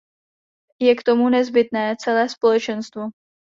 Je k tomu nezbytné celé společenstvo.